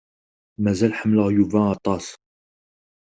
Mazal ḥemmleɣ Yuba aṭas.